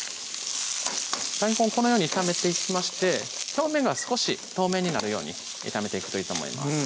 大根このように炒めていきまして表面が少し透明になるように炒めていくといいと思います